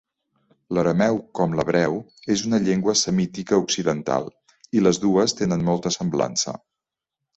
L'arameu, com l'hebreu, és una llengua semítica occidental i les dues tenen molta semblança.